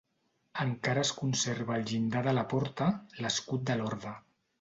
Encara es conserva al llindar de la porta l'escut de l'orde.